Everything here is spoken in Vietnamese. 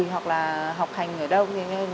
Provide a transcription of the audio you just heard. hoặc là học hành ở đâu